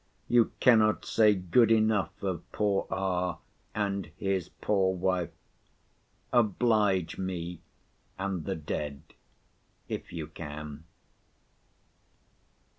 You cannot say good enough of poor R., and his poor wife. Oblige me and the dead, if you can.